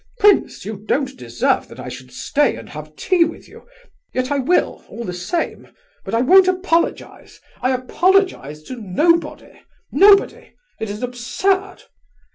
Prince, you don't deserve that I should stay and have tea with you, yet I will, all the same, but I won't apologize. I apologize to nobody! Nobody! It is absurd!